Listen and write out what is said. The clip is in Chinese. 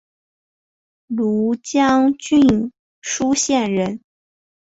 庐江郡舒县人。